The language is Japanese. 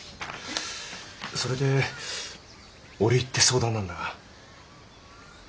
それで折り入って相談なんだが。